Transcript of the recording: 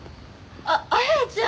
あっ亜矢ちゃん！